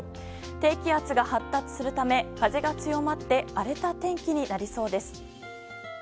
低気圧が発達するため風が強まり荒れた天気になりそうです。